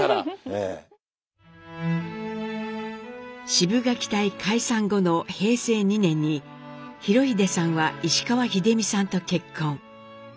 シブがき隊解散後の平成２年に裕英さんは石川秀美さんと結婚。